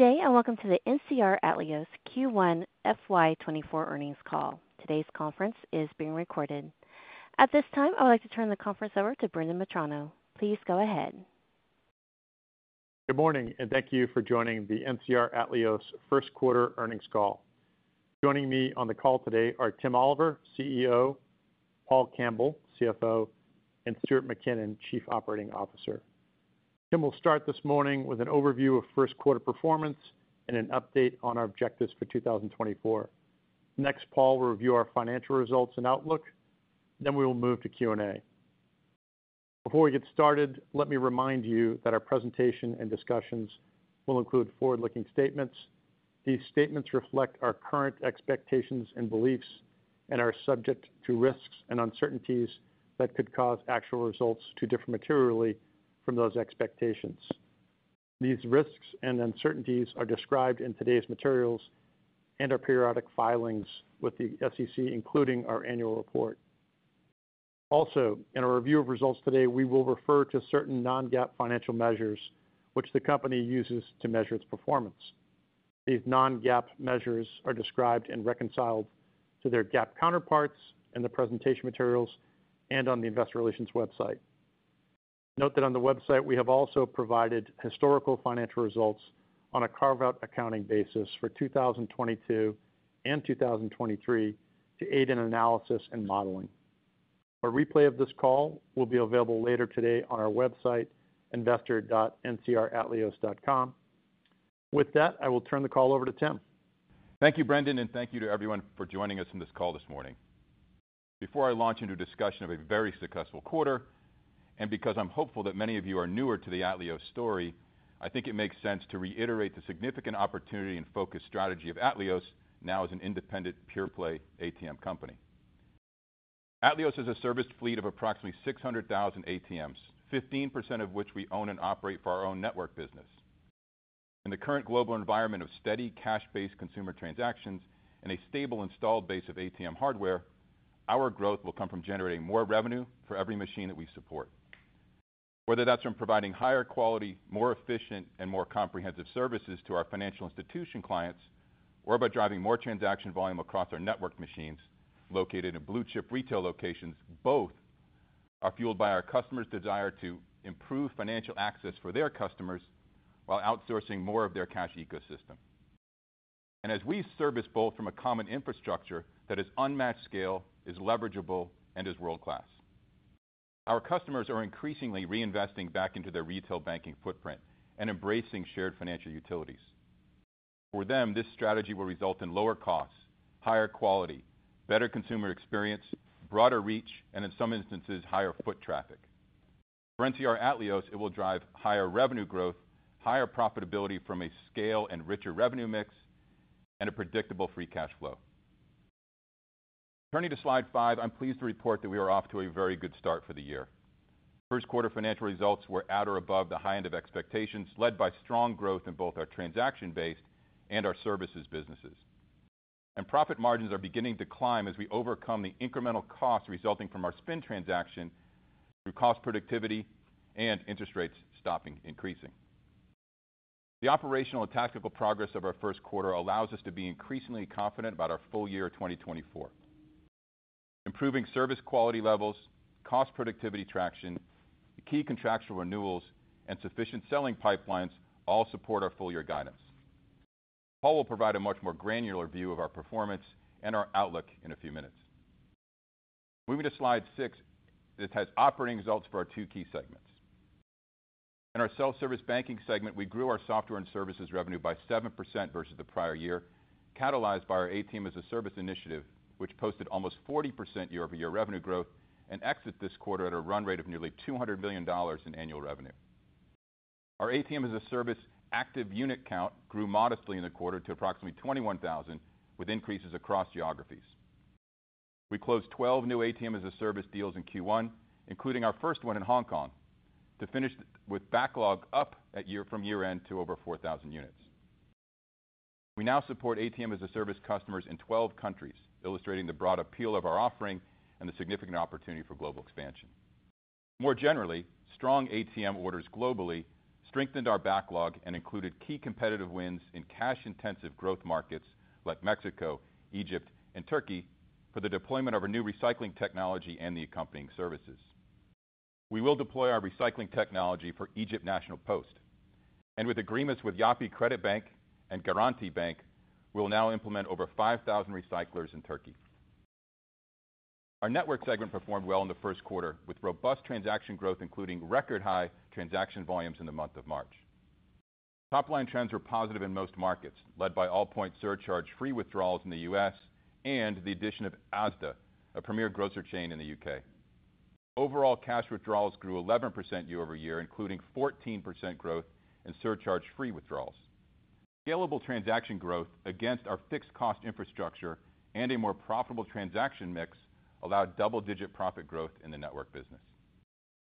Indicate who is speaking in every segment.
Speaker 1: Today I welcome to the NCR Atleos Q1 FY 2024 earnings call. Today's conference is being recorded. At this time, I would like to turn the conference over to Brendan Metrano. Please go ahead.
Speaker 2: Good morning, and thank you for joining the NCR Atleos first quarter earnings call. Joining me on the call today are Tim Oliver, CEO, Paul Campbell, CFO, and Stuart Mackinnon, Chief Operating Officer. Tim will start this morning with an overview of first quarter performance and an update on our objectives for 2024. Next, Paul will review our financial results and outlook, then we will move to Q&A. Before we get started, let me remind you that our presentation and discussions will include forward-looking statements. These statements reflect our current expectations and beliefs and are subject to risks and uncertainties that could cause actual results to differ materially from those expectations. These risks and uncertainties are described in today's materials and our periodic filings with the SEC, including our annual report. Also, in our review of results today, we will refer to certain non-GAAP financial measures, which the company uses to measure its performance. These non-GAAP measures are described and reconciled to their GAAP counterparts in the presentation materials and on the Investor Relations website. Note that on the website we have also provided historical financial results on a carve-out accounting basis for 2022 and 2023 to aid in analysis and modeling. A replay of this call will be available later today on our website, investor.ncratleos.com. With that, I will turn the call over to Tim.
Speaker 3: Thank you, Brendan, and thank you to everyone for joining us in this call this morning. Before I launch into a discussion of a very successful quarter, and because I'm hopeful that many of you are newer to the Atleos story, I think it makes sense to reiterate the significant opportunity and focus strategy of Atleos now as an independent, pure-play ATM company. Atleos has a serviced fleet of approximately 600,000 ATMs, 15% of which we own and operate for our own network business. In the current global environment of steady, cash-based consumer transactions and a stable installed base of ATM hardware, our growth will come from generating more revenue for every machine that we support. Whether that's from providing higher quality, more efficient, and more comprehensive services to our financial institution clients, or by driving more transaction volume across our networked machines located in blue-chip retail locations, both are fueled by our customers' desire to improve financial access for their customers while outsourcing more of their cash ecosystem. As we service both from a common infrastructure that is unmatched scale, is leverageable, and is world-class, our customers are increasingly reinvesting back into their retail banking footprint and embracing shared financial utilities. For them, this strategy will result in lower costs, higher quality, better consumer experience, broader reach, and in some instances, higher foot traffic. For NCR Atleos, it will drive higher revenue growth, higher profitability from a scale and richer revenue mix, and a predictable Free Cash Flow. Turning to slide 5, I'm pleased to report that we are off to a very good start for the year. First quarter financial results were at or above the high end of expectations, led by strong growth in both our transaction-based and our services businesses. Profit margins are beginning to climb as we overcome the incremental costs resulting from our spin transaction through cost productivity and interest rates stopping increasing. The operational and tactical progress of our first quarter allows us to be increasingly confident about our full year 2024. Improving service quality levels, cost productivity traction, key contractual renewals, and sufficient selling pipelines all support our full-year guidance. Paul will provide a much more granular view of our performance and our outlook in a few minutes. Moving to slide 6, this has operating results for our two key segments. In our self-service banking segment, we grew our software and services revenue by 7% versus the prior year, catalyzed by our ATM as a Service initiative, which posted almost 40% year-over-year revenue growth and exited this quarter at a run rate of nearly $200 million in annual revenue. Our ATM as a Service active unit count grew modestly in the quarter to approximately 21,000, with increases across geographies. We closed 12 new ATM as a Service deals in Q1, including our first one in Hong Kong, to finish with backlog up from year-end to over 4,000 units. We now support ATM as a Service customers in 12 countries, illustrating the broad appeal of our offering and the significant opportunity for global expansion. More generally, strong ATM orders globally strengthened our backlog and included key competitive wins in cash-intensive growth markets like Mexico, Egypt, and Turkey for the deployment of our new recycling technology and the accompanying services. We will deploy our recycling technology for Egypt Post. With agreements with Yapı Kredi Bank and Garanti BBVA, we'll now implement over 5,000 recyclers in Turkey. Our network segment performed well in the first quarter, with robust transaction growth including record-high transaction volumes in the month of March. Top-line trends were positive in most markets, led by Allpoint surcharge-free withdrawals in the U.S. and the addition of Asda, a premier grocer chain in the U.K. Overall cash withdrawals grew 11% year-over-year, including 14% growth in surcharge-free withdrawals. Scalable transaction growth against our fixed-cost infrastructure and a more profitable transaction mix allowed double-digit profit growth in the network business.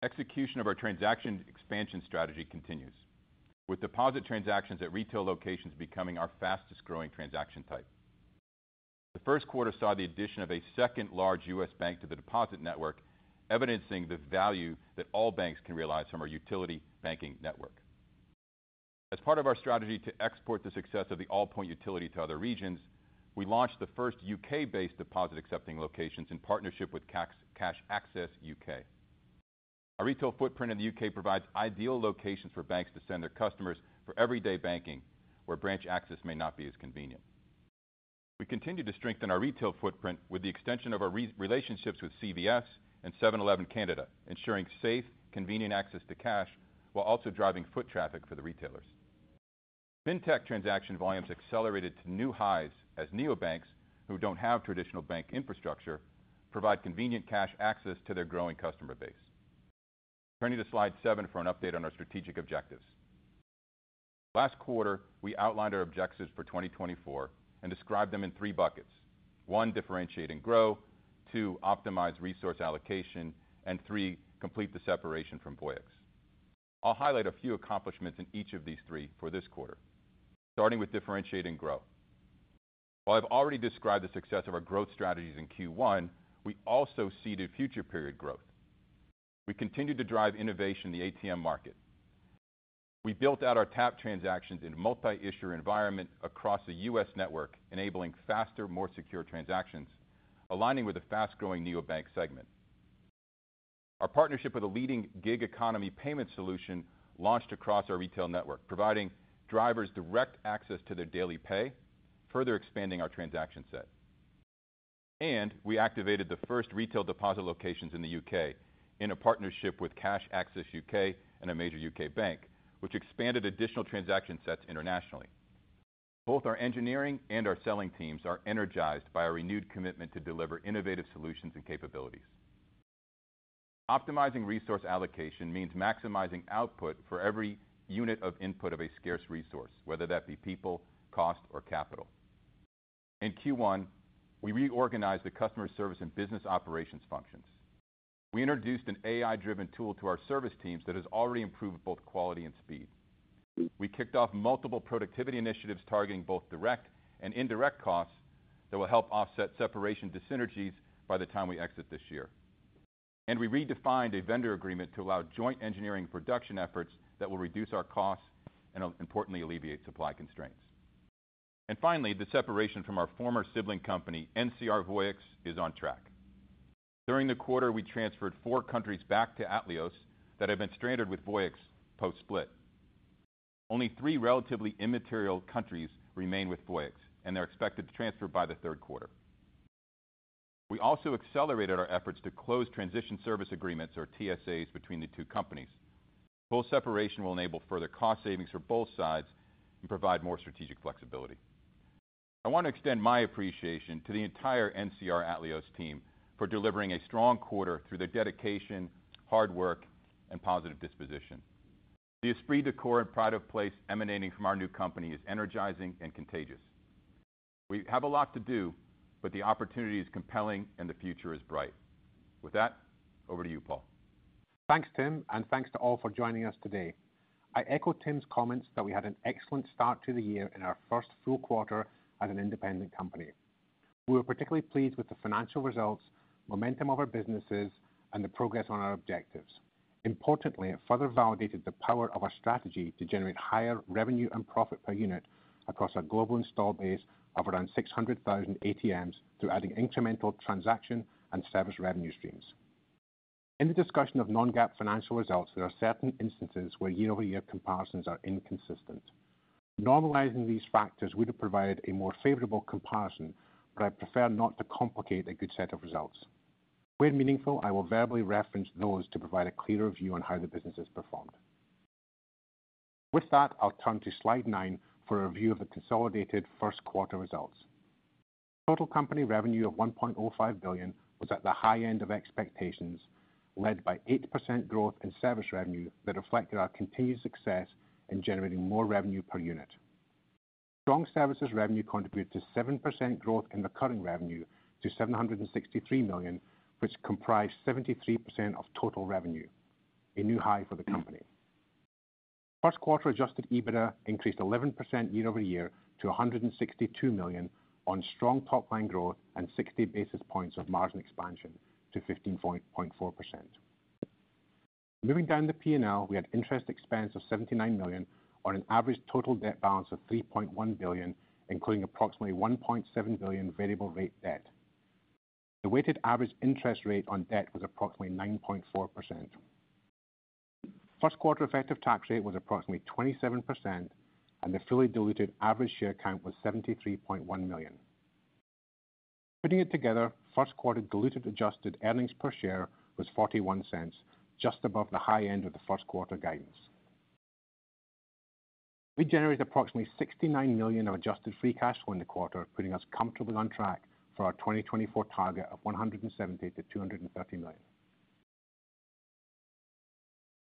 Speaker 3: Execution of our transaction expansion strategy continues, with deposit transactions at retail locations becoming our fastest-growing transaction type. The first quarter saw the addition of a second large U.S. bank to the deposit network, evidencing the value that all banks can realize from our utility banking network. As part of our strategy to export the success of the Allpoint utility to other regions, we launched the first U.K.-based deposit-accepting locations in partnership with Cash Access UK. Our retail footprint in the U.K. provides ideal locations for banks to send their customers for everyday banking, where branch access may not be as convenient. We continue to strengthen our retail footprint with the extension of our relationships with CVS and 7-Eleven Canada, ensuring safe, convenient access to cash while also driving foot traffic for the retailers. Fintech transaction volumes accelerated to new highs as neobanks, who don't have traditional bank infrastructure, provide convenient cash access to their growing customer base. Turning to slide 7 for an update on our strategic objectives. Last quarter, we outlined our objectives for 2024 and described them in three buckets: 1, differentiate and grow; 2, optimize resource allocation; and 3, complete the separation from Voyix. I'll highlight a few accomplishments in each of these three for this quarter. Starting with differentiate and grow. While I've already described the success of our growth strategies in Q1, we also seeded future-period growth. We continued to drive innovation in the ATM market. We built out our tap transactions in a multi-issuer environment across the U.S. network, enabling faster, more secure transactions, aligning with a fast-growing neobank segment. Our partnership with a leading gig economy payment solution launched across our retail network, providing drivers direct access to their daily pay, further expanding our transaction set. We activated the first retail deposit locations in the U.K. in a partnership with Cash Access UK and a major U.K. bank, which expanded additional transaction sets internationally. Both our engineering and our selling teams are energized by our renewed commitment to deliver innovative solutions and capabilities. Optimizing resource allocation means maximizing output for every unit of input of a scarce resource, whether that be people, cost, or capital. In Q1, we reorganized the customer service and business operations functions. We introduced an AI-driven tool to our service teams that has already improved both quality and speed. We kicked off multiple productivity initiatives targeting both direct and indirect costs that will help offset separation dissynergies by the time we exit this year. And we redefined a vendor agreement to allow joint engineering production efforts that will reduce our costs and, importantly, alleviate supply constraints. And finally, the separation from our former sibling company, NCR Voyix, is on track. During the quarter, we transferred four countries back to NCR Atleos that have been stranded with NCR Voyix post-split. Only three relatively immaterial countries remain with NCR Voyix, and they're expected to transfer by the third quarter. We also accelerated our efforts to close Transition Services Agreements, or TSAs, between the two companies. Full separation will enable further cost savings for both sides and provide more strategic flexibility. I want to extend my appreciation to the entire NCR Atleos team for delivering a strong quarter through their dedication, hard work, and positive disposition. The esprit de corps and pride of place emanating from our new company is energizing and contagious. We have a lot to do, but the opportunity is compelling, and the future is bright. With that, over to you, Paul.
Speaker 4: Thanks, Tim, and thanks to all for joining us today. I echo Tim's comments that we had an excellent start to the year in our first full quarter as an independent company. We were particularly pleased with the financial results, momentum of our businesses, and the progress on our objectives. Importantly, it further validated the power of our strategy to generate higher revenue and profit per unit across our global installed base of around 600,000 ATMs through adding incremental transaction and service revenue streams. In the discussion of non-GAAP financial results, there are certain instances where year-over-year comparisons are inconsistent. Normalizing these factors would have provided a more favorable comparison, but I prefer not to complicate a good set of results. Where meaningful, I will verbally reference those to provide a clearer view on how the business has performed. With that, I'll turn to slide nine for a review of the consolidated first quarter results. Total company revenue of $1.05 billion was at the high end of expectations, led by 8% growth in service revenue that reflected our continued success in generating more revenue per unit. Strong services revenue contributed to 7% growth in recurring revenue to $763 million, which comprised 73% of total revenue, a new high for the company. First quarter Adjusted EBITDA increased 11% year-over-year to $162 million on strong top-line growth and 60 basis points of margin expansion to 15.4%. Moving down the P&L, we had interest expense of $79 million on an average total debt balance of $3.1 billion, including approximately $1.7 billion variable-rate debt. The weighted average interest rate on debt was approximately 9.4%. First quarter effective tax rate was approximately 27%, and the fully diluted average share count was 73.1 million. Putting it together, first quarter diluted adjusted earnings per share was $0.41, just above the high end of the first quarter guidance. We generated approximately $69 million of adjusted free cash flow in the quarter, putting us comfortably on track for our 2024 target of $170-$230 million.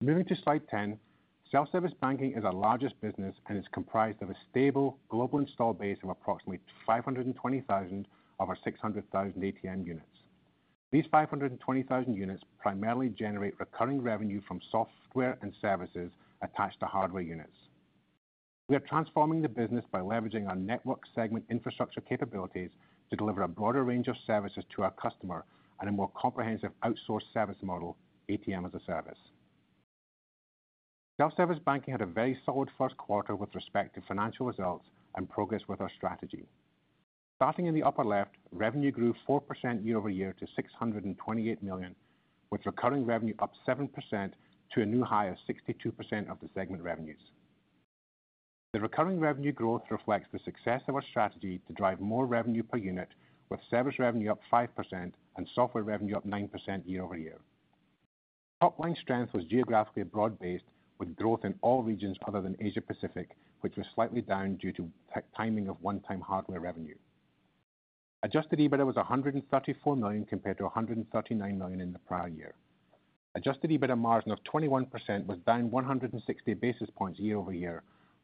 Speaker 4: Moving to slide 10, self-service banking is our largest business, and it's comprised of a stable, global installed base of approximately 520,000 of our 600,000 ATM units. These 520,000 units primarily generate recurring revenue from software and services attached to hardware units. We are transforming the business by leveraging our network segment infrastructure capabilities to deliver a broader range of services to our customer and a more comprehensive outsourced service model, ATM as a service. Self-service banking had a very solid first quarter with respect to financial results and progress with our strategy. Starting in the upper left, revenue grew 4% year-over-year to $628 million, with recurring revenue up 7% to a new high of 62% of the segment revenues. The recurring revenue growth reflects the success of our strategy to drive more revenue per unit, with service revenue up 5% and software revenue up 9% year-over-year. Top-line strength was geographically broad-based, with growth in all regions other than Asia-Pacific, which was slightly down due to timing of one-time hardware revenue. Adjusted EBITDA was $134 million compared to $139 million in the prior year. Adjusted EBITDA margin of 21% was down 160 basis points year-over-year,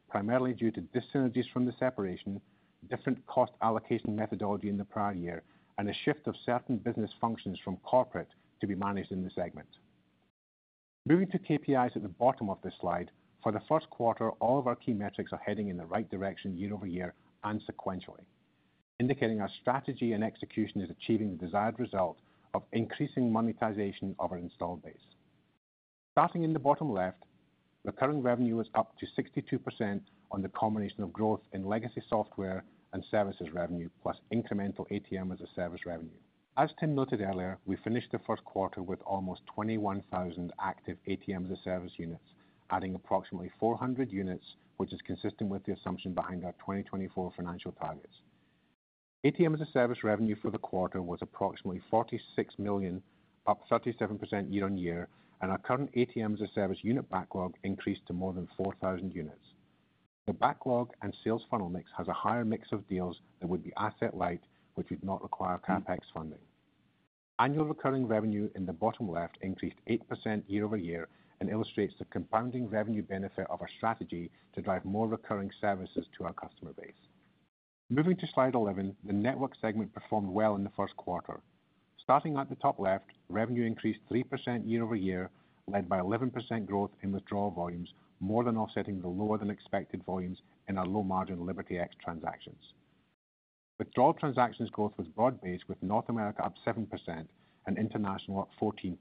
Speaker 4: primarily due to dissynergies from the separation, different cost allocation methodology in the prior year, and a shift of certain business functions from corporate to be managed in the segment. Moving to KPIs at the bottom of this slide, for the first quarter, all of our key metrics are heading in the right direction year-over-year and sequentially, indicating our strategy and execution is achieving the desired result of increasing monetization of our installed base. Starting in the bottom left, recurring revenue was up to 62% on the combination of growth in legacy software and services revenue, plus incremental ATM as a Service revenue. As Tim noted earlier, we finished the first quarter with almost 21,000 active ATM as a Service units, adding approximately 400 units, which is consistent with the assumption behind our 2024 financial targets. ATM as a Service revenue for the quarter was approximately $46 million, up 37% year-on-year, and our current ATM as a Service unit backlog increased to more than 4,000 units. The backlog and sales funnel mix has a higher mix of deals that would be asset-light, which would not require CapEx funding. Annual recurring revenue in the bottom left increased 8% year-over-year and illustrates the compounding revenue benefit of our strategy to drive more recurring services to our customer base. Moving to slide 11, the network segment performed well in the first quarter. Starting at the top left, revenue increased 3% year-over-year, led by 11% growth in withdrawal volumes, more than offsetting the lower-than-expected volumes in our low-margin LibertyX transactions. Withdrawal transactions growth was broad-based, with North America up 7% and international up 14%,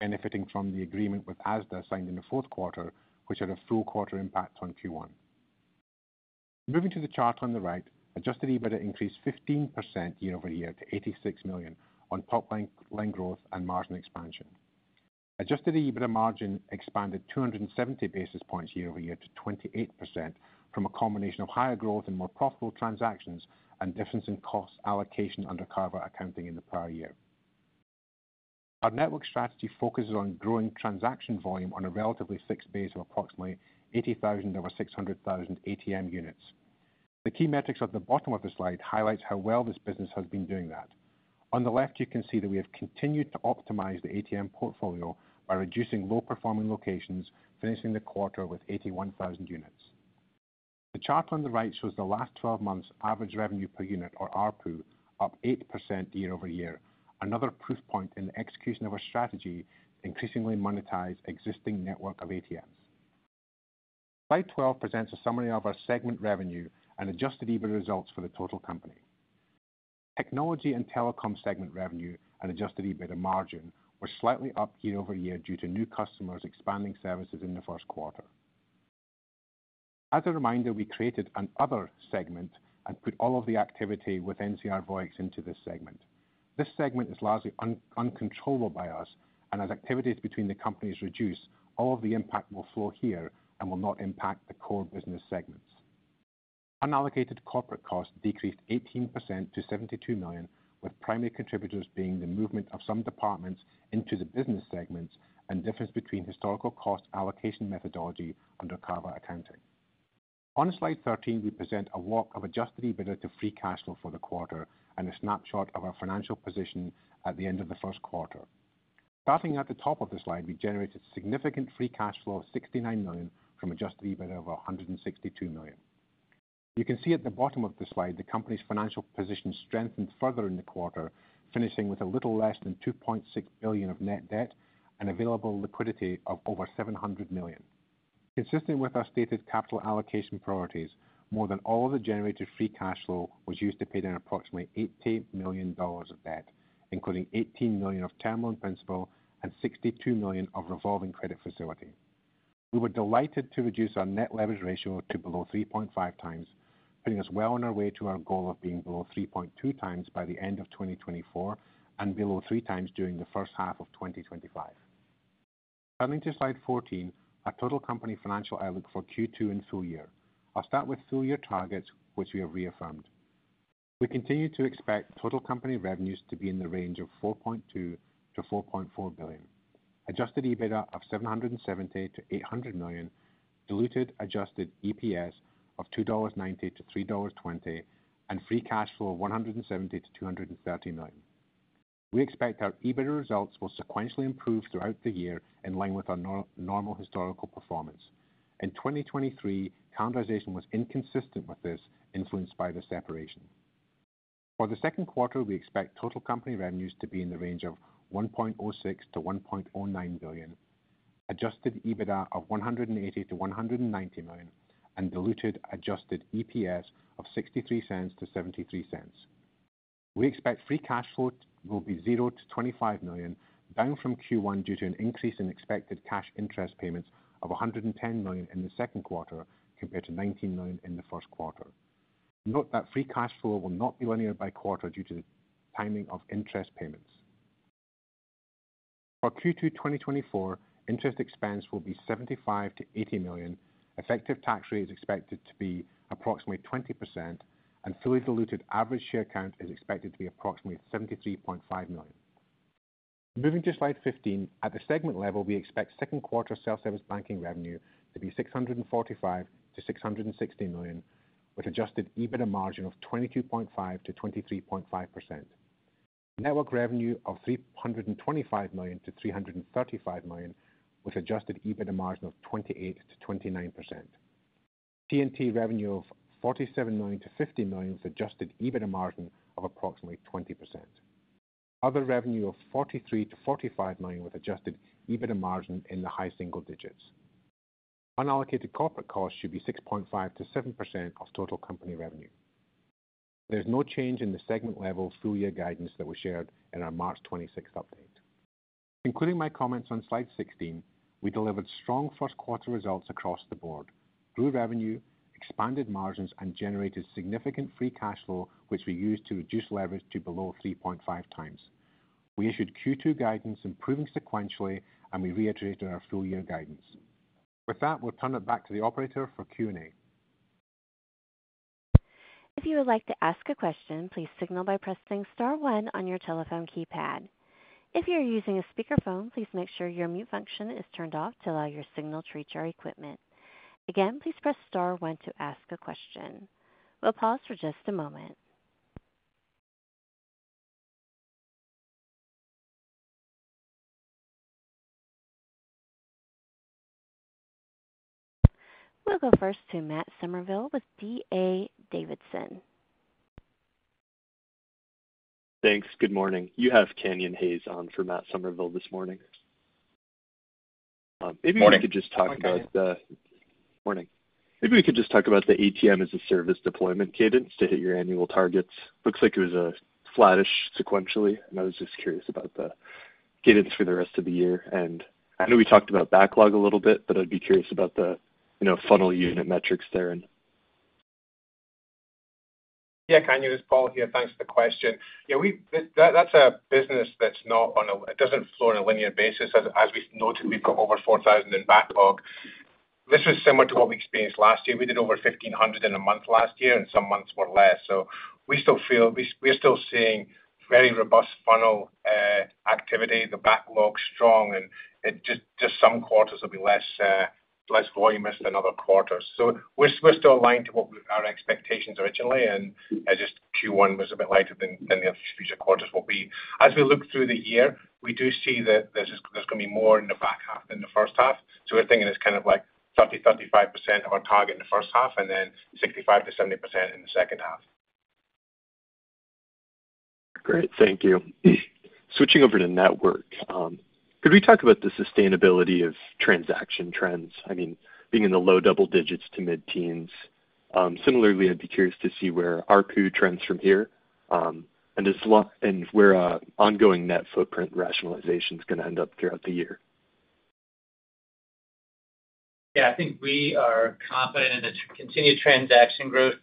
Speaker 4: benefiting from the agreement with Asda signed in the fourth quarter, which had a full quarter impact on Q1. Moving to the chart on the right, Adjusted EBITDA increased 15% year-over-year to $86 million on top-line growth and margin expansion. Adjusted EBITDA margin expanded 270 basis points year-over-year to 28% from a combination of higher growth in more profitable transactions and difference in cost allocation under carve-out accounting in the prior year. Our network strategy focuses on growing transaction volume on a relatively fixed base of approximately 80,000 of our 600,000 ATM units. The key metrics at the bottom of the slide highlight how well this business has been doing that. On the left, you can see that we have continued to optimize the ATM portfolio by reducing low-performing locations, finishing the quarter with 81,000 units. The chart on the right shows the last 12 months' average revenue per unit, or RPU, up 8% year-over-year. Another proof point in the execution of our strategy to increasingly monetize existing network of ATMs. Slide 12 presents a summary of our segment revenue and adjusted EBITDA results for the total company. Technology and Telecom segment revenue and Adjusted EBITDA margin were slightly up year-over-year due to new customers expanding services in the first quarter. As a reminder, we created another segment and put all of the activity with NCR Voyix into this segment. This segment is largely uncontrollable by us, and as activities between the companies reduce, all of the impact will flow here and will not impact the core business segments. Unallocated corporate costs decreased 18% to $72 million, with primary contributors being the movement of some departments into the business segments and difference between historical cost allocation methodology under carve-out accounting. On slide 13, we present a walk of Adjusted EBITDA to Free Cash Flow for the quarter and a snapshot of our financial position at the end of the first quarter. Starting at the top of the slide, we generated significant free cash flow of $69 million from adjusted EBITDA of $162 million. You can see at the bottom of the slide. The company's financial position strengthened further in the quarter, finishing with a little less than $2.6 billion of net debt and available liquidity of over $700 million. Consistent with our stated capital allocation priorities, more than all of the generated free cash flow was used to pay down approximately $80 million of debt, including $18 million of term loan principal and $62 million of revolving credit facility. We were delighted to reduce our net leverage ratio to below 3.5 times, putting us well on our way to our goal of being below 3.2 times by the end of 2024 and below 3 times during the first half of 2025. Turning to slide 14, our total company financial outlook for Q2 and full year. I'll start with full year targets, which we have reaffirmed. We continue to expect total company revenues to be in the range of $4.2-$4.4 billion, Adjusted EBITDA of $770-$800 million, diluted adjusted EPS of $2.90-$3.20, and Free Cash Flow of $170-$230 million. We expect our EBITDA results will sequentially improve throughout the year in line with our normal historical performance. In 2023, calendarization was inconsistent with this, influenced by the separation. For the second quarter, we expect total company revenues to be in the range of $1.06-$1.09 billion, Adjusted EBITDA of $180-$190 million, and diluted adjusted EPS of $0.63-$0.73. We expect Free Cash Flow will be $0-$25 million, down from Q1 due to an increase in expected cash interest payments of $110 million in the second quarter compared to $19 million in the first quarter. Note that Free Cash Flow will not be linear by quarter due to the timing of interest payments. For Q2 2024, interest expense will be $75-$80 million. Effective tax rate is expected to be approximately 20%, and fully diluted average share count is expected to be approximately 73.5 million. Moving to slide 15, at the segment level, we expect second quarter self-service banking revenue to be $645-$660 million, with Adjusted EBITDA margin of 22.5%-23.5%, network revenue of $325-$335 million, with Adjusted EBITDA margin of 28%-29%, T&T revenue of $47-$50 million with Adjusted EBITDA margin of approximately 20%, other revenue of $43-$45 million with Adjusted EBITDA margin in the high single digits. Unallocated corporate costs should be 6.5%-7% of total company revenue. There's no change in the segment level full year guidance that was shared in our March 26 update. Concluding my comments on slide 16, we delivered strong first quarter results across the board, grew revenue, expanded margins, and generated significant free cash flow, which we used to reduce leverage to below 3.5x. We issued Q2 guidance, improving sequentially, and we reiterated our full year guidance. With that, we'll turn it back to the operator for Q&A.
Speaker 1: If you would like to ask a question, please signal by pressing star one on your telephone keypad. If you're using a speakerphone, please make sure your mute function is turned off to allow your signal to reach our equipment. Again, please press star one to ask a question. We'll pause for just a moment. We'll go first to Matt Somerville with D.A. Davidson.
Speaker 5: Thanks. Good morning. You have Kanyon Hayes on for Matt Somerville this morning. Maybe we could just talk about the ATM as a Service deployment cadence to hit your annual targets. Looks like it was flattish sequentially, and I was just curious about the cadence for the rest of the year. I know we talked about backlog a little bit, but I'd be curious about the funnel unit metrics there.
Speaker 4: Yeah, Kanyon. It's Paul here. Thanks for the question. Yeah, that's a business that's not on a linear basis. It doesn't flow on a linear basis. As we've noted, we've got over 4,000 in backlog. This was similar to what we experienced last year. We did over 1,500 in a month last year, and some months were less. So we're still seeing very robust funnel activity, the backlog strong, and just some quarters will be less voluminous than other quarters. So we're still aligned to what our expectations originally, and just Q1 was a bit lighter than the future quarters will be. As we look through the year, we do see that there's going to be more in the back half than the first half. So we're thinking it's kind of like 30%-35% of our target in the first half, and then 65%-70% in the second half.
Speaker 5: Great. Thank you. Switching over to network, could we talk about the sustainability of transaction trends? I mean, being in the low double digits to mid-teens, similarly, I'd be curious to see where RPU trends from here and where ongoing net footprint rationalization is going to end up throughout the year.
Speaker 4: Yeah, I think we are confident in the continued transaction growth.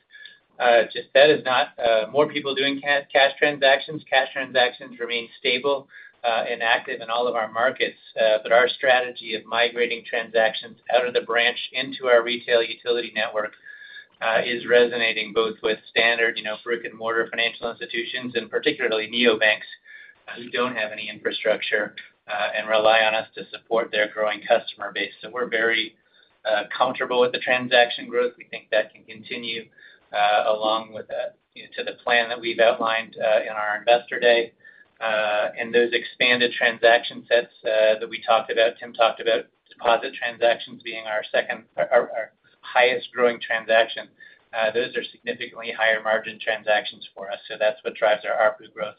Speaker 4: Just that is not more people doing cash transactions. Cash transactions remain stable and active in all of our markets. But our strategy of migrating transactions out of the branch into our retail utility network is resonating both with standard brick-and-mortar financial institutions and particularly neobanks who don't have any infrastructure and rely on us to support their growing customer base. So we're very comfortable with the transaction growth. We think that can continue along with the plan that we've outlined in our investor day. And those expanded transaction sets that we talked about, Tim talked about deposit transactions being our second highest growing transaction. Those are significantly higher-margin transactions for us. So that's what drives our RPU growth.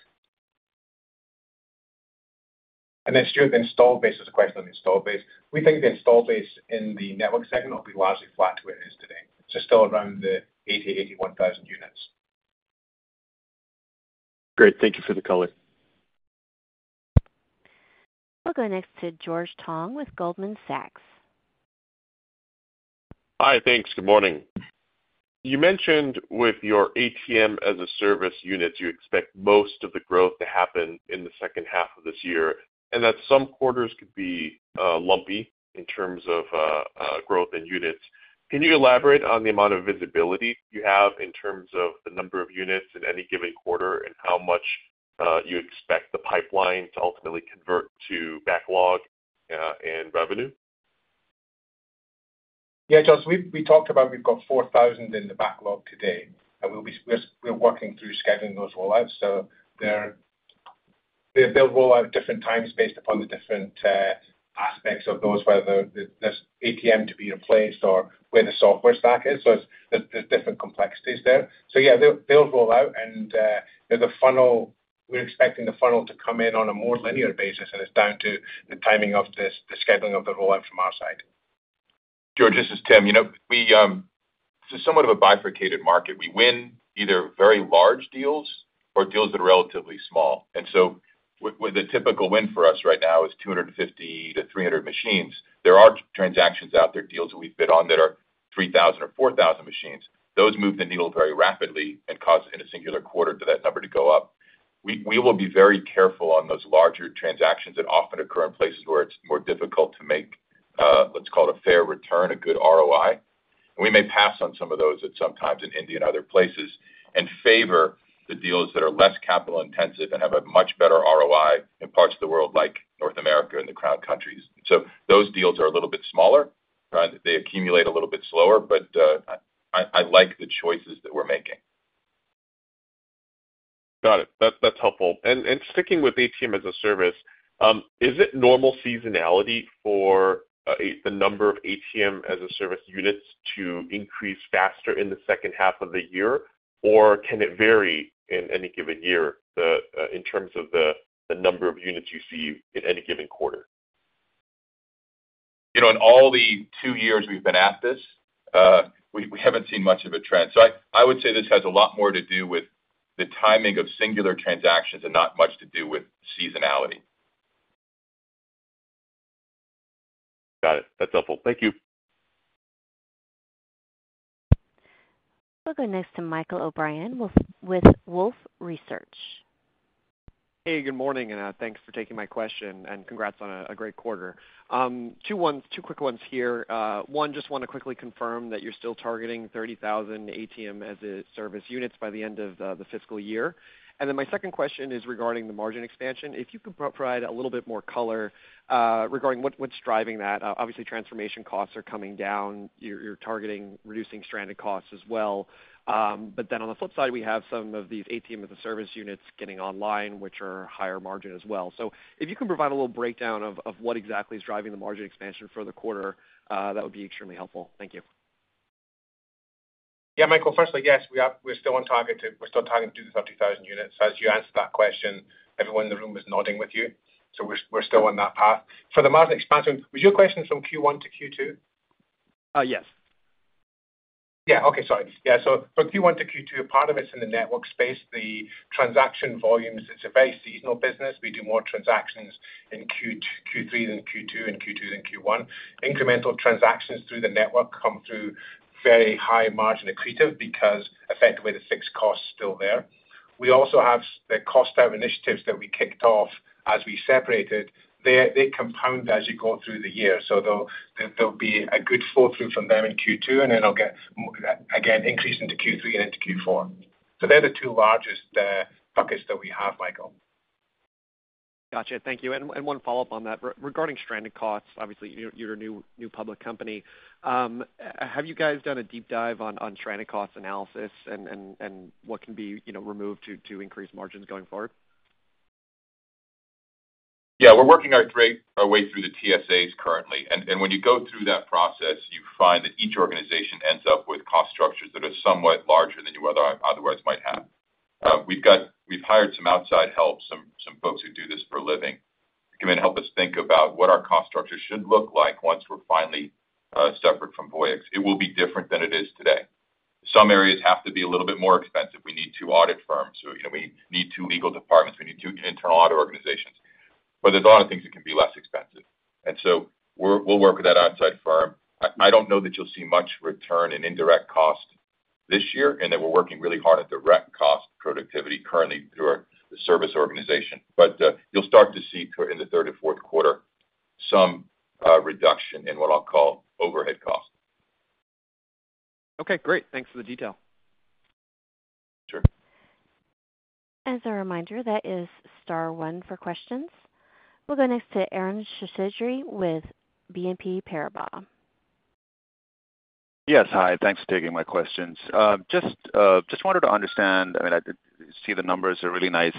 Speaker 4: And then Stuart's installed base is a question on the installed base. We think the installed base in the network segment will be largely flat to where it is today. So still around the 80,000-81,000 units.
Speaker 5: Great. Thank you for the color.
Speaker 1: We'll go next to George Tong with Goldman Sachs.
Speaker 6: Hi. Thanks. Good morning. You mentioned with your ATM as a Service units, you expect most of the growth to happen in the second half of this year, and that some quarters could be lumpy in terms of growth in units. Can you elaborate on the amount of visibility you have in terms of the number of units in any given quarter and how much you expect the pipeline to ultimately convert to backlog and revenue?
Speaker 4: Yeah, George, we talked about we've got 4,000 in the backlog today, and we're working through scheduling those rollouts. So they'll roll out at different times based upon the different aspects of those, whether there's ATM to be replaced or where the software stack is. So there's different complexities there. So yeah, they'll roll out, and we're expecting the funnel to come in on a more linear basis, and it's down to the timing of the scheduling of the rollout from our side.
Speaker 3: George, this is Tim. It's somewhat of a bifurcated market. We win either very large deals or deals that are relatively small. And so the typical win for us right now is 250-300 machines. There are transactions out there, deals that we've bid on that are 3,000 or 4,000 machines. Those move the needle very rapidly and cause, in a singular quarter, that number to go up. We will be very careful on those larger transactions that often occur in places where it's more difficult to make, let's call it, a fair return, a good ROI. We may pass on some of those at some times in India and other places and favor the deals that are less capital-intensive and have a much better ROI in parts of the world like North America and the Core Countries. So those deals are a little bit smaller. They accumulate a little bit slower, but I like the choices that we're making.
Speaker 6: Got it. That's helpful. Sticking with ATM as a service, is it normal seasonality for the number of ATM as a service units to increase faster in the second half of the year, or can it vary in any given year in terms of the number of units you see in any given quarter?
Speaker 3: In all the two years we've been at this, we haven't seen much of a trend. So I would say this has a lot more to do with the timing of singular transactions and not much to do with seasonality.
Speaker 6: Got it. That's helpful. Thank you.
Speaker 1: We'll go next to Michael O'Brien with Wolfe Research.
Speaker 7: Hey, good morning. And thanks for taking my question, and congrats on a great quarter. Two quick ones here. One, just want to quickly confirm that you're still targeting 30,000 ATM as a Service units by the end of the fiscal year. And then my second question is regarding the margin expansion. If you could provide a little bit more color regarding what's driving that. Obviously, transformation costs are coming down. You're targeting reducing stranded costs as well. But then on the flip side, we have some of these ATM as a Service units getting online, which are higher margin as well. So if you can provide a little breakdown of what exactly is driving the margin expansion for the quarter, that would be extremely helpful.
Speaker 4: Thank you. Yeah, Michael, firstly, yes, we're still targeting to do the 30,000 units. So as you answered that question, everyone in the room was nodding with you. So we're still on that path. For the margin expansion, was your question from Q1 to Q2?
Speaker 7: Yes.
Speaker 4: Yeah. Okay. Sorry. Yeah. So from Q1 to Q2, part of it's in the network space, the transaction volumes. It's a very seasonal business. We do more transactions in Q3 than Q2 and Q2 than Q1. Incremental transactions through the network come through very high-margin accretive because, effectively, the fixed cost's still there. We also have the cost-out initiatives that we kicked off as we separated. They compound as you go through the year. So there'll be a good flow-through from them in Q2, and then it'll get, again, increased into Q3 and into Q4. So they're the two largest buckets that we have, Michael.
Speaker 7: Gotcha. Thank you. And one follow-up on that. Regarding stranded costs, obviously, you're a new public company. Have you guys done a deep dive on stranded costs analysis and what can be removed to increase margins going forward?
Speaker 3: Yeah. We're working our way through the TSAs currently. And when you go through that process, you find that each organization ends up with cost structures that are somewhat larger than you otherwise might have. We've hired some outside help, some folks who do this for a living, to come in and help us think about what our cost structures should look like once we're finally separate from Voyix. It will be different than it is today. Some areas have to be a little bit more expensive. We need two audit firms. We need two legal departments. We need two internal audit organizations. But there's a lot of things that can be less expensive. And so we'll work with that outside firm. I don't know that you'll see much return in indirect cost this year and that we're working really hard on direct cost productivity currently through our service organization. But you'll start to see in the third and fourth quarter some reduction in what I'll call overhead costs.
Speaker 7: Okay. Great. Thanks for the detail.
Speaker 4: Sure.
Speaker 1: As a reminder, that is star one for questions. We'll go next to Arun Seshadri with BNP Paribas.
Speaker 8: Yes. Hi. Thanks for taking my questions. Just wanted to understand. I mean, I see the numbers are really nice.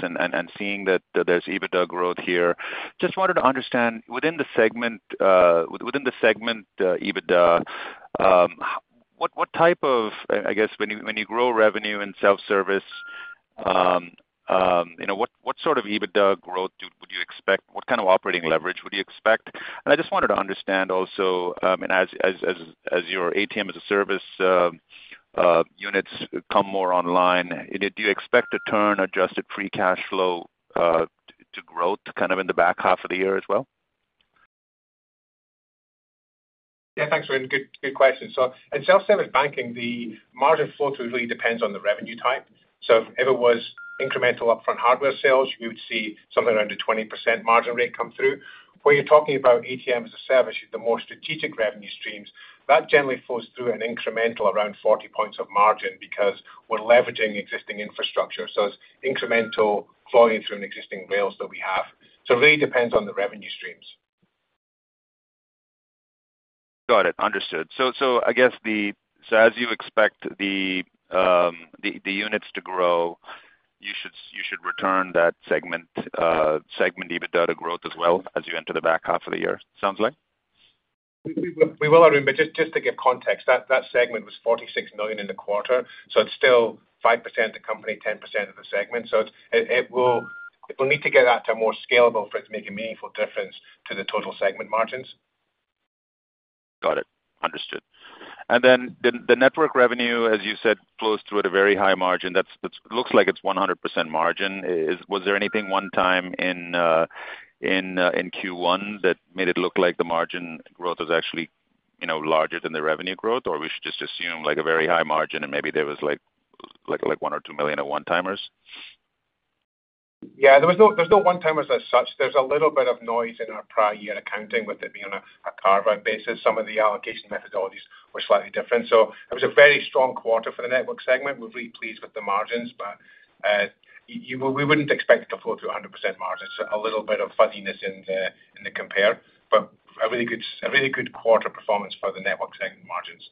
Speaker 8: Seeing that there's EBITDA growth here, I just wanted to understand within the segment EBITDA what type of—I guess—when you grow revenue in self-service, what sort of EBITDA growth would you expect? What kind of operating leverage would you expect? I just wanted to understand also, I mean, as your ATM as a Service units come more online, do you expect to turn adjusted free cash flow to growth kind of in the back half of the year as well?
Speaker 4: Yeah. Thanks, Ron. Good question. So in self-service banking, the margin flow-through really depends on the revenue type. So if it was incremental upfront hardware sales, we would see something around a 20% margin rate come through. When you're talking about ATM as a Service, the more strategic revenue streams, that generally flows through an incremental around 40 points of margin because we're leveraging existing infrastructure. So it's incremental flowing through an existing rails that we have. So it really depends on the revenue streams.
Speaker 8: Got it. Understood. So I guess, as you expect the units to grow, you should return that segment EBITDA to growth as well as you enter the back half of the year, sounds like?
Speaker 4: We will, Arun. But just to give context, that segment was $46 million in the quarter. So it's still 5% of the company, 10% of the segment. So it will need to get that to a more scalable for it to make a meaningful difference to the total segment margins.
Speaker 8: Got it. Understood. And then the network revenue, as you said, flows through at a very high margin. It looks like it's 100% margin. Was there anything one time in Q1 that made it look like the margin growth was actually larger than the revenue growth, or we should just assume a very high margin and maybe there was like $1 million or $2 million at one-timers?
Speaker 4: Yeah. There's no one-timers as such. There's a little bit of noise in our prior year accounting with it being on a carve-out basis. Some of the allocation methodologies were slightly different. So it was a very strong quarter for the network segment. We're really pleased with the margins, but we wouldn't expect it to flow through 100% margins. So a little bit of fuzziness in the compare, but a really good quarter performance for the network segment margins.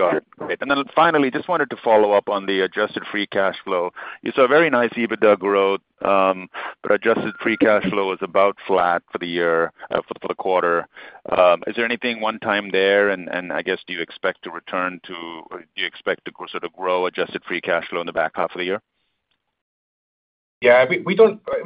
Speaker 8: Got it. Great. And then finally, just wanted to follow up on the adjusted free cash flow. You saw very nice EBITDA growth, but adjusted free cash flow was about flat for the year, for the quarter. Is there anything one time there? And I guess, do you expect to return to do you expect to sort of grow adjusted free cash flow in the back half of the year?
Speaker 4: Yeah. We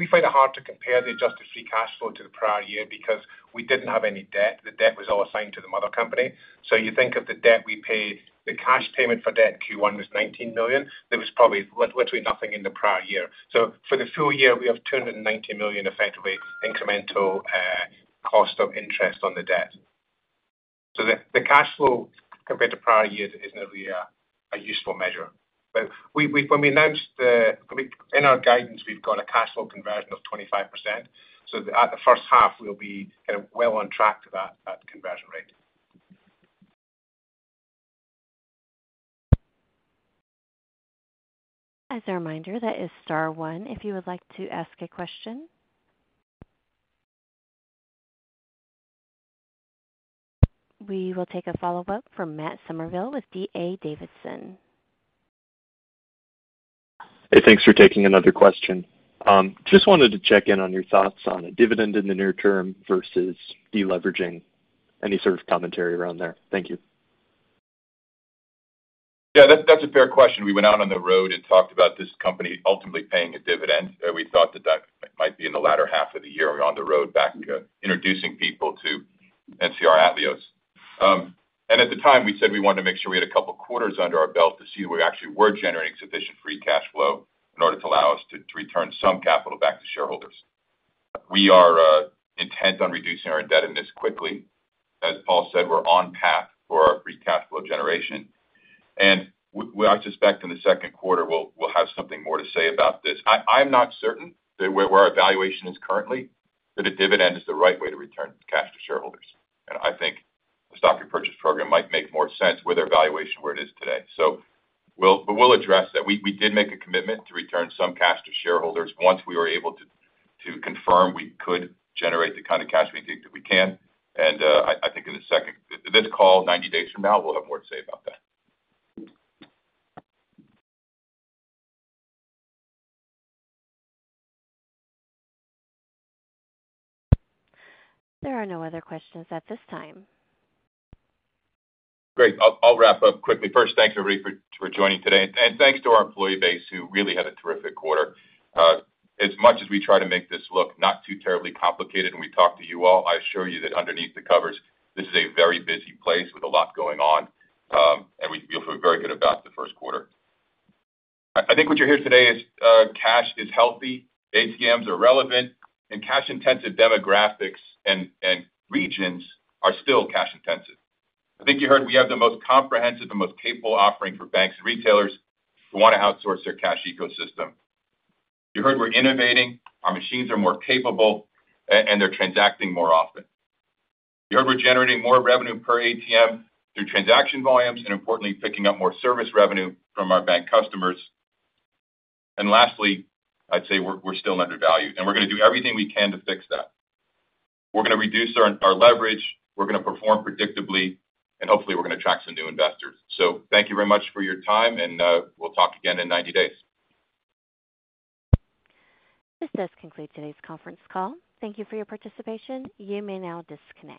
Speaker 4: find it hard to compare the adjusted free cash flow to the prior year because we didn't have any debt. The debt was all assigned to the mother company. So you think of the debt we paid. The cash payment for debt in Q1 was $19 million. There was probably literally nothing in the prior year. So for the full year, we have $290 million, effectively, incremental cost of interest on the debt. So the cash flow compared to prior years isn't really a useful measure. But when we announced it in our guidance, we've got a cash flow conversion of 25%. So at the first half, we'll be kind of well on track to that conversion rate.
Speaker 1: As a reminder, that is star one if you would like to ask a question. We will take a follow-up from Matt Somerville with D.A. Davidson.
Speaker 5: Hey. Thanks for taking another question. Just wanted to check in on your thoughts on a dividend in the near term versus deleveraging. Any sort of commentary around there? Thank you.
Speaker 3: Yeah. That's a fair question. We went out on the road and talked about this company ultimately paying a dividend. We thought that that might be in the latter half of the year. We're on the road back introducing people to NCR Atleos. At the time, we said we wanted to make sure we had a couple of quarters under our belt to see that we actually were generating sufficient Free Cash Flow in order to allow us to return some capital back to shareholders. We are intent on reducing our indebtedness quickly. As Paul said, we're on path for our Free Cash Flow generation. I suspect in the second quarter, we'll have something more to say about this. I'm not certain where our evaluation is currently that a dividend is the right way to return cash to shareholders. I think the stock repurchase program might make more sense with our valuation where it is today. We'll address that. We did make a commitment to return some cash to shareholders once we were able to confirm we could generate the kind of cash we think that we can. And I think in the second quarter call, 90 days from now, we'll have more to say about that.
Speaker 1: There are no other questions at this time.
Speaker 3: Great. I'll wrap up quickly. First, thanks, everybody, for joining today. And thanks to our employee base who really had a terrific quarter. As much as we try to make this look not too terribly complicated when we talk to you all, I assure you that underneath the covers, this is a very busy place with a lot going on. And we feel very good about the first quarter. I think what you're hearing today is cash is healthy, ATMs are relevant, and cash-intensive demographics and regions are still cash-intensive. I think you heard we have the most comprehensive, the most capable offering for banks and retailers who want to outsource their cash ecosystem. You heard we're innovating. Our machines are more capable, and they're transacting more often. You heard we're generating more revenue per ATM through transaction volumes and, importantly, picking up more service revenue from our bank customers. And lastly, I'd say we're still undervalued. And we're going to do everything we can to fix that. We're going to reduce our leverage. We're going to perform predictably. And hopefully, we're going to attract some new investors. So thank you very much for your time. And we'll talk again in 90 days.
Speaker 1: This does conclude today's conference call. Thank you for your participation. You may now disconnect.